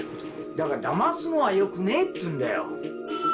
だからだますのはよくねえっていうんだよ。